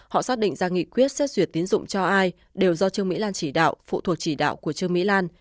họ xác định ra nghị quyết xét xuyệt tiến dụng cho ai đều do chương mỹ lan chỉ đạo phụ thuộc chỉ đạo của chương mỹ lan